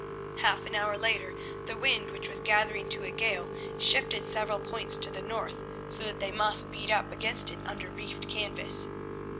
Half an hour later the wind, which was gathering to a gale, shifted several points to the north, so that they must beat up against it under reefed canvas.